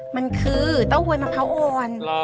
มันคือเต้าหวยมะพร้าวอ่อน